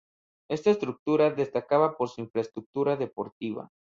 Esta estructura destacaba por su infraestructura deportiva.